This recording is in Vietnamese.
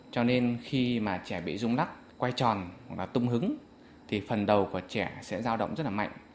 cho nên khi mà trẻ bị dùng lọc quay tròn tung hứng thì phần đầu của trẻ sẽ giao động rất là mạnh